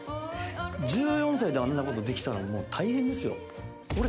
１４歳であんなことできたらもう大変ですよ。